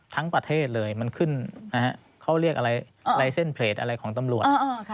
ทั้งประเทศเลยมันขึ้นเขาเรียกอะไรลายเส้นเพลตอะไรของตำรวจ